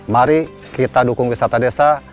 mari kita dukung wisata desa